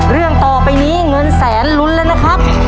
เรื่องต่อไปนี้เงินแสนลุ้นแล้วนะครับ